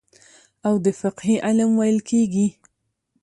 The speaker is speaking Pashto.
او د فقهي علم ويل کېږي.